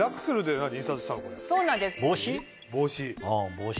帽子？